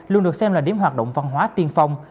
luôn được xem là điểm hoạt động văn hóa tiên phong